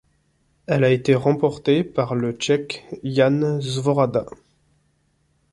Elle a été remportée par le Tchèque Jan Svorada.